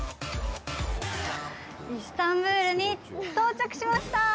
イスタンブルに到着しました。